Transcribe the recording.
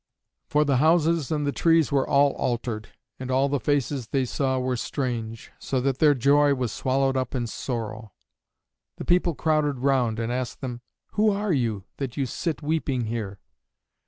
For the houses and the trees were all altered, and all the faces they saw were strange, so that their joy was swallowed up in sorrow. The people crowded round and asked them, "Who are you, that you sit weeping here?"